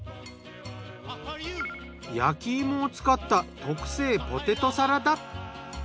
焼き芋を使った特製ポテトサラダ。